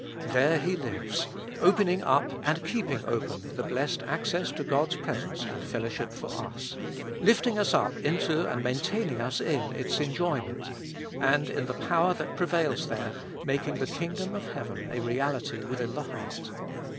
There He lives, opening up and keeping open the blessed access to God's pre sence and fellowship for us ; lifting us up into and maintaining us in its enjoyment ; and in the power that prevails there, making the kingdom of heaven a reality within the heart.